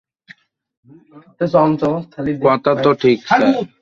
কথা তো ঠিক, স্যার!